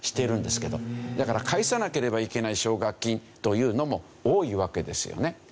だから返さなければいけない奨学金というのも多いわけですよね。